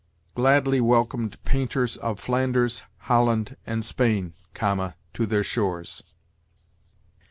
' gladly welcomed painters of Flanders, Holland, and Spain(,) to their shores.'